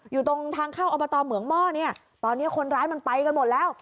อยู่ตรงทางเข้าอบตเหมืองหม้อเนี่ยตอนนี้คนร้ายมันไปกันหมดแล้ว